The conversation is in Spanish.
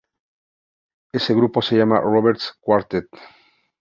Ese grupo se llama Robert´s Quartet.